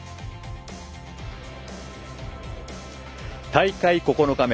大会９日目。